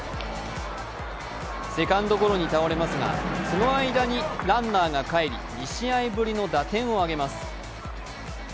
セカンドゴロに倒れますが、その間にランナーが帰り、２試合ぶりの打点を上げます。